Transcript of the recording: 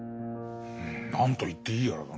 うん何と言っていいやらだな。